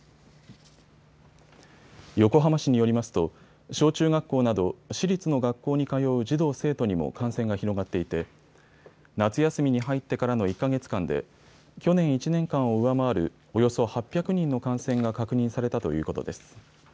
横浜市によりますと小中学校など市立の学校に通う児童生徒にも感染が広がっていて夏休みに入ってからの１か月間で去年１年間を上回るおよそ８００人の感染が確認されたということです。